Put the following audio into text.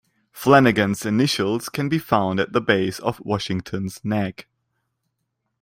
Flanagan's initials can be found at the base of Washington's neck.